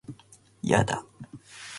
消しゴム取って